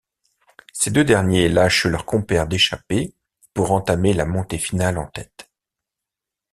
Ces deux derniers lâchent leurs compères d'échappée pour entamée la montée finale en tête.